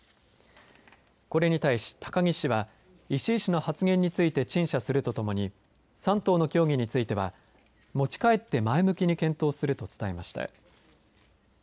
これに対し、高木氏は石井氏の発言について陳謝するとともに３党の協議については持ち帰って前向きに検討すると伝えました。